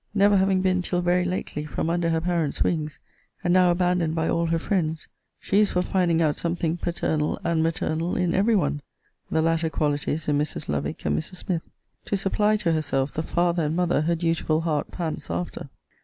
never having been, till very lately, from under her parents' wings, and now abandoned by all her friends, she is for finding out something paternal and maternal in every one, (the latter qualities in Mrs. Lovick and Mrs. Smith,) to supply to herself the father and mother her dutiful heart pants after.